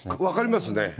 分かりますね。